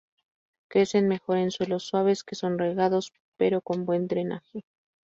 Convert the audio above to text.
Crecen mejor en suelos suaves que son regados, pero con buen drenaje.